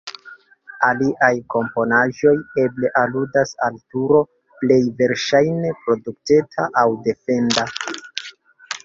Aliaj komponaĵoj eble aludas al turo, plej verŝajne protekta aŭ defenda.